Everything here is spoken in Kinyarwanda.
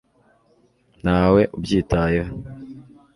ntawe ubyitayeho